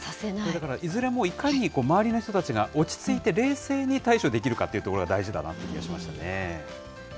だからいずれもいかに周りの人たちが落ち着いて、冷静に対処できるかっていうところが大事だなって気がしましたね。